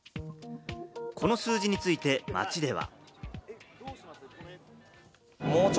この数字について街では。